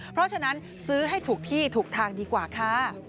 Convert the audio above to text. เพราะฉะนั้นซื้อให้ถูกที่ถูกทางดีกว่าค่ะ